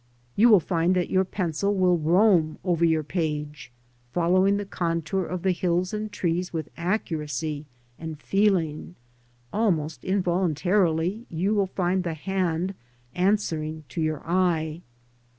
You will find that your pencil will roam over your page, following the contour of the hills and trees with accuracy and feeling; almost involuntarily you will find the hand answering to your eye.